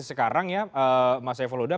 sekarang ya mas evaluda